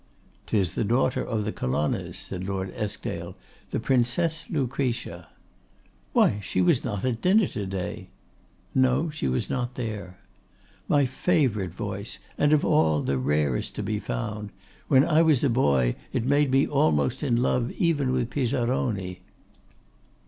''Tis the daughter of the Colonnas,' said Lord Eskdale, 'the Princess Lucretia.' 'Why, she was not at dinner to day.' 'No, she was not there.' 'My favourite voice; and of all, the rarest to be found. When I was a boy, it made me almost in love even with Pisaroni.